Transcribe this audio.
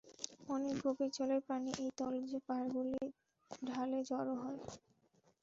অনেক গভীর জলের প্রাণী এই তলদেশের পাহাড়গুলির ঢালে জড়ো হয়।